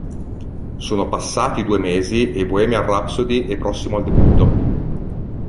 Sono passati due mesi e "Bohemian Rhapsody" è prossimo al debutto.